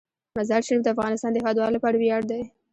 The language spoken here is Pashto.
مزارشریف د افغانستان د هیوادوالو لپاره ویاړ دی.